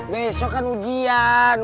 besok kan ujian